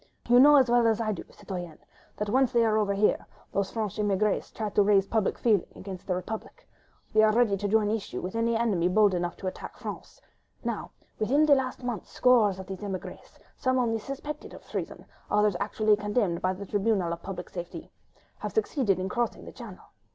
You know as well as I do, citoyenne, that once they are over here, those French émigrés try to rouse public feeling against the Republic. ... They are ready to join issue with any enemy bold enough to attack France. ... Now, within the last month, scores of these émigrés, some only suspected of treason, others actually condemned by the Tribunal of Public Safety, have succeeded in crossing the Channel.